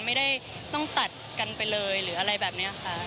ไม่ได้ต้องตัดกันไปเลยหรืออะไรแบบนี้ค่ะ